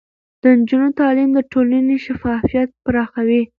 د نجونو تعليم د ټولنې شفافيت پراخوي.